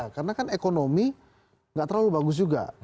karena kan ekonomi tidak terlalu bagus juga